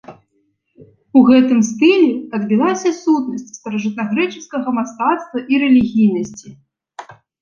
У гэтым стылі адбілася сутнасць старажытнагрэчаскага мастацтва і рэлігійнасці.